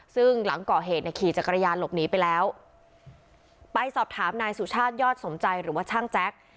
ซึ่งหลังก่อเหตุเนี่ยขี่จักรยานหลบหนีไปแล้วไปสอบถามนายสุชาติยอดสมใจหรือว่าช่างแจ๊ค